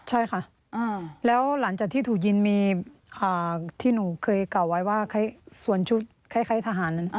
ใช่ค่ะแล้วหลังจากที่ถูกยิงมีที่หนูเคยกล่าวไว้ว่าส่วนชุดคล้ายทหารนั้น